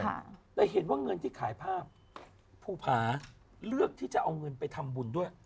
ค่ะแต่เห็นว่าเงินที่ขายภาพภูผาเลือกที่จะเอาเงินไปทำบุญด้วย